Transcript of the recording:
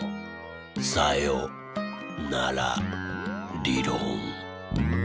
さよならりろん。